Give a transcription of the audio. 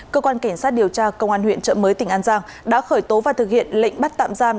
cơ quan cảnh sát điều tra công an huyện trợ mới tỉnh an giang đã khởi tố và thực hiện lệnh bắt tạm giam